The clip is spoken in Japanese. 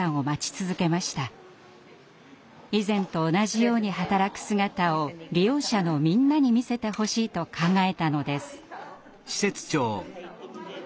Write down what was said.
以前と同じように働く姿を利用者のみんなに見せてほしいと考えたのです。